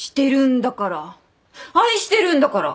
愛してるんだから。